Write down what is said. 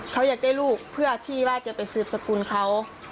เขาอยากได้ลูกเพื่อที่ว่าจะไปสืบสกุลเขา